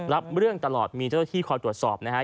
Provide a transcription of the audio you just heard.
รับเรื่องตลอดมีเจ้าที่คอยตรวจสอบนะฮะ